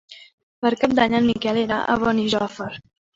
Per Cap d'Any en Miquel irà a Benijòfar.